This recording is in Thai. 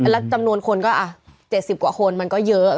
แล้วจำนวนคนก็๗๐กว่าคนมันก็เยอะ